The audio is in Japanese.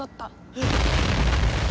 えっ？